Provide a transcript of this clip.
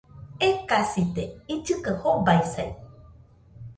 Ekasite, illɨ kaɨ jobaisai